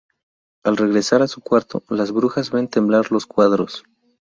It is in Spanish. Al regresar a su cuarto las brujas ven temblar los cuadros.